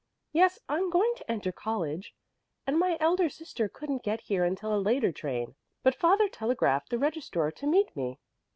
"Yes, I'm going to enter college, and my elder sister couldn't get here until a later train. But father telegraphed the registrar to meet me.